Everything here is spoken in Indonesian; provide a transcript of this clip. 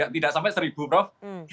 tidak sampai seribu prof